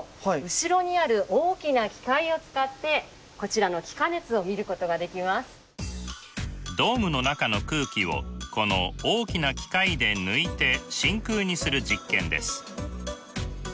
後ろにある大きな機械を使ってドームの中の空気をこの大きな機械で抜いて真空にする実験です。